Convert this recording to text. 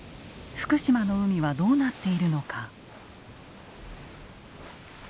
福島の海はどうなっているのか。